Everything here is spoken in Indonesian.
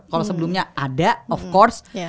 kalau sebelumnya ada of course